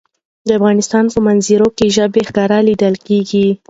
د افغانستان په منظره کې ژبې ښکاره لیدل کېږي.